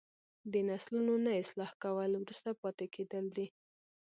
د نسلونو نه اصلاح کول وروسته پاتې کیدل دي.